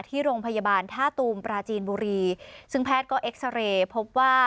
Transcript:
ที่โรงพยาบาลท่าตูมปราจีนบุรีซึ่งแพทย์ก็เอ็กซาเรย์พบว่า